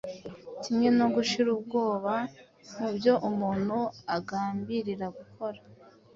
kimwe no gushira ubwoba mu byo umuntu agambirira gukora,